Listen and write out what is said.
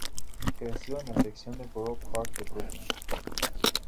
Creció en la sección de Borough Park de Brooklyn.